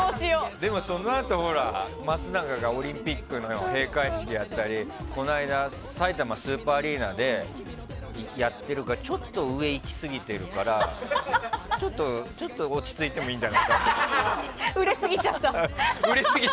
でもそのあと松永がオリンピックの閉会式やったりこの間さいたまスーパーアリーナでやってるからちょっと上行き過ぎてるからちょっと落ち着いてもいいんじゃないかって。